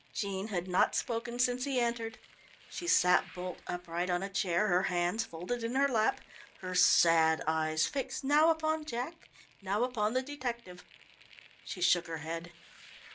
Jean had not spoken since he entered. She sat bolt upright on a chair, her hands folded in her lap, her sad eyes fixed now upon Jack, now upon the detective. She shook her head.